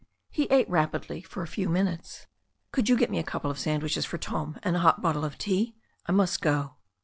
He ate rapidly for a few minutes. "Could you get me a couple of sandwiches for Tom and a hot bottle of tea? I must go."